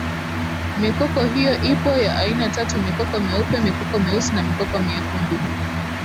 Mikoko hiyo ipo ya aina tatu mikoko meupe mikoko meusi na mikoko myekundu